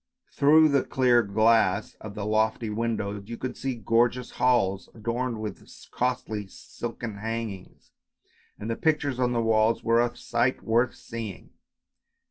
Through the clear glass of the lofty windows you could see gorgeous halls adorned with costly silken hangings, and the pictures on the walls were a sight worth seeing.